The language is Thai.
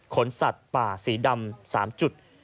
สัตว์ป่าสีดำ๓จุด